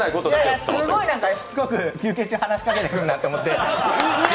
すごいしつこく、休憩中、話しかけてくるなと思って。